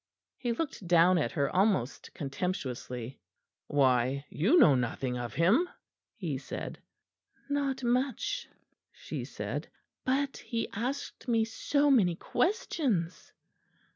He looked down at her almost contemptuously. "Why, you know nothing of him!" he said. "Not much," she said, "but he asked me so many questions."